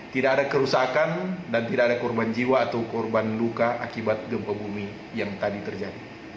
tidak ada kerusakan dan tidak ada korban jiwa atau korban luka akibat gempa bumi yang tadi terjadi